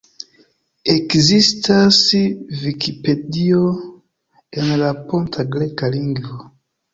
Ekzistas Vikipedio en la ponta greka lingvo.